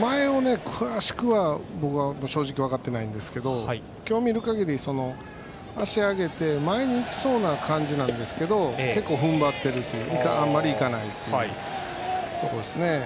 前を詳しくは正直分かっていないんですが今日見る限り、足を上げて前に行きそうな感じなんですけど結構、踏ん張っていてあまりいかないというところですね。